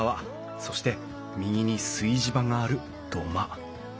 そして右に炊事場がある土間。